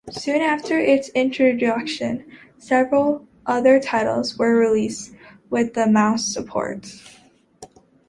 Soon after its introduction, several other titles were released with the Mouse support.